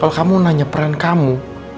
kalau kamu nanya peran kamu